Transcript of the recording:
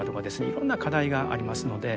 いろんな課題がありますので。